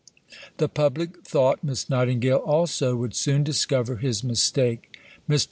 The public, thought Miss Nightingale also, would soon discover his mistake. Mr.